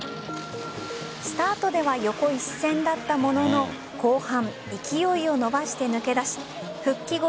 スタートでは横一線だったものの後半、勢いを伸ばして抜け出し復帰後